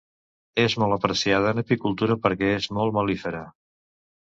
És molt apreciada en apicultura perquè és molt mel·lífera.